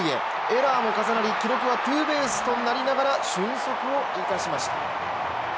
エラーも重なり記録はツーベースとなりながら俊足を生かしました。